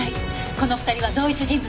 この２人は同一人物よ。